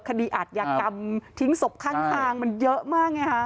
คดีอาทยากรรมทิ้งศพข้างมันเยอะมาก